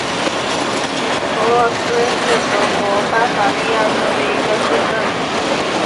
弗洛斯是德国巴伐利亚州的一个市镇。